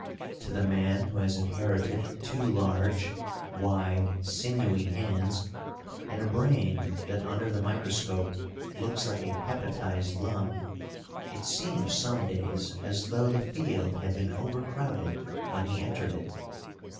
To the man who has inherited too large, wide, sinewy hands, and a brain that under the microscope looks like a hepatized lung, it seems some days as though the field had been over crowded when he entered it.